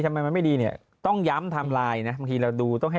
ทำไมมันไม่ดีเนี่ยต้องย้ำไทม์ไลน์นะบางทีเราดูต้องให้